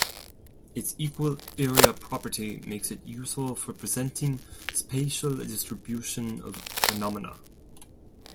Its equal-area property makes it useful for presenting spatial distribution of phenomena.